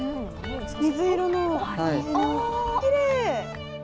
水色の、あー、きれい。